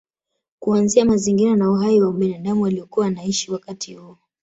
Kuanzia mazingira na uhai wa binadamu waliokuwa wanaishi wakati huo